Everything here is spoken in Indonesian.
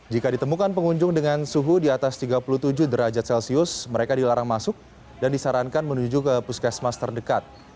jika ditemukan pengunjung dengan suhu di atas tiga puluh tujuh derajat celcius mereka dilarang masuk dan disarankan menuju ke puskesmas terdekat